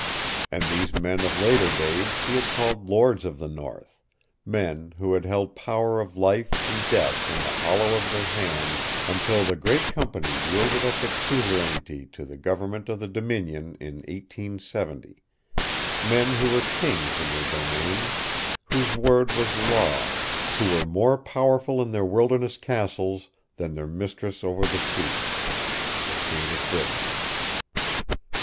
And these men of later days he had called Lords of the North men who had held power of life and death in the hollow of their hands until the great company yielded up its suzerainty to the Government of the Dominion in 1870; men who were kings in their domains, whose word was law, who were more powerful in their wilderness castles than their mistress over the sea, the Queen of Britain.